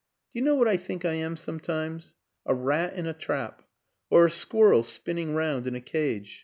" Do you know what I think I am sometimes? a rat in a trap or a squirrel spinning round in a cage.